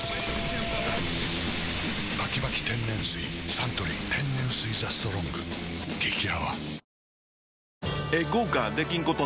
サントリー天然水「ＴＨＥＳＴＲＯＮＧ」激泡